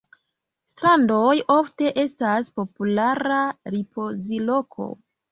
Strandoj ofte estas populara ripozloko.